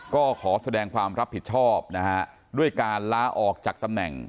ก็ขอแสดงความรับผิดชอบนะฮะด้วยการล้าออกจากตำแหน่ง